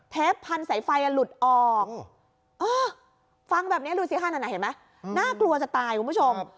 เธปพันธุ์สายไฟลุดออกฟังแบบดูซิฮาลนะหิดมั้ยน่ากลัวจะตายคุณผู้ชม